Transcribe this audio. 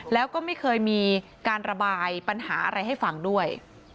แล้วก็ไม่เคยมีการระบายปัญหาอะไรให้ฟังด้วย